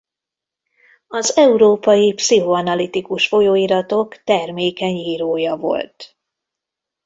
Az európai pszichoanalitikus folyóiratok termékeny írója volt.